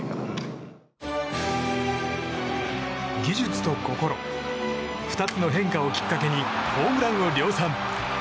技術と心２つの変化をきっかけにホームランを量産。